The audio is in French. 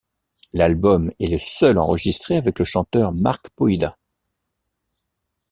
L'album est le seul enregistré avec le chanteur Mark Poida.